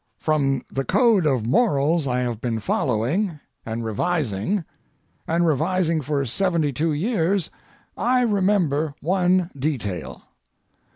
From the code of morals I have been following and revising and revising for seventy two years I remember one detail.